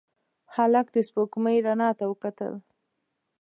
هلک د سپوږمۍ رڼا ته وکتل.